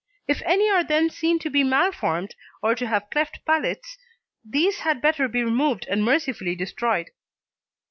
If any are then seen to be malformed or to have cleft palates, these had better be removed and mercifully destroyed.